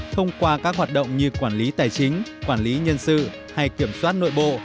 thông qua các hoạt động như quản lý tài chính quản lý nhân sự hay kiểm soát nội bộ